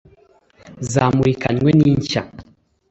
Zamurikanywe n' ishya